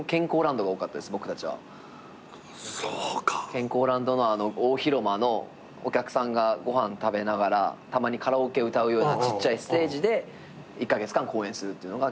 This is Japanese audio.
健康ランドの大広間のお客さんがご飯食べながらたまにカラオケ歌うようなちっちゃいステージで１カ月間公演するっていうのが基本でした。